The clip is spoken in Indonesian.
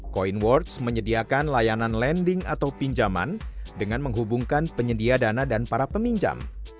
coinwords menyediakan layanan landing atau pinjaman dengan menghubungkan penyedia dana dan para peminjam